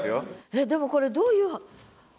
えっでもこれどういう俳句なの？